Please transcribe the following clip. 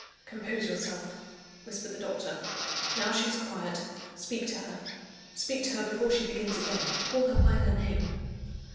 "Compose yourself," whispered the doctor. "Now she is quiet, speak to her; speak to her before she begins again; call her by her name."